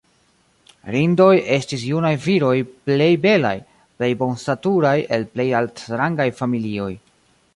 "Rindoj" estis junaj viroj plej belaj, plej bonstaturaj el plej altrangaj familioj.